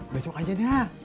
besok aja dah